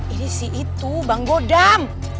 ini si itu bang godam